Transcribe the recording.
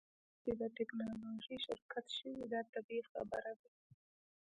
کله چې ته د ټیکنالوژۍ شرکت شوې دا طبیعي خبره ده